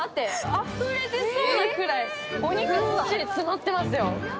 あふれ出そうなくらいお肉、詰まってますよ。